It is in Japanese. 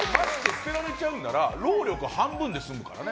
捨てられちゃうなら労力半分で済むからね。